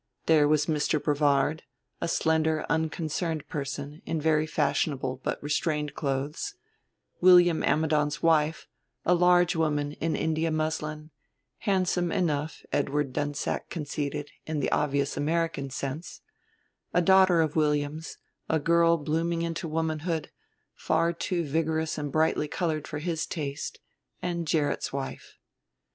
There was a Mr. Brevard, a slender unconcerned person in very fashionable but restrained clothes; William Ammidon's wife, a large woman in India muslin, handsome enough, Edward Dunsack conceded, in the obvious American sense; a daughter of William's, a girl blooming into womanhood, far too vigorous and brightly colored for his taste; and Gerrit's wife.